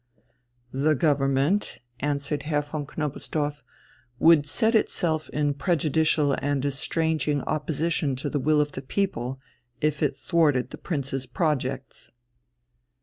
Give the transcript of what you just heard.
"The Government," answered Herr von Knobelsdorff, "would set itself in prejudicial and estranging opposition to the will of the people if it thwarted the Prince's projects."